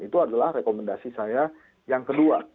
itu adalah rekomendasi saya yang kedua